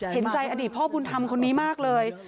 เห็นใจอดีตพ่อบุญธรรมคนนี้มากเลย